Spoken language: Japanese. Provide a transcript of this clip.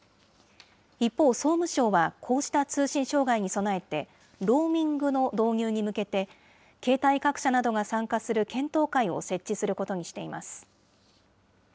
一方、総務省はこうした通信障害に備えて、ローミングの導入に向けて、携帯各社などが参加する検討会を設置することにしています。